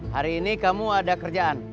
hari ini kamu ada kerjaan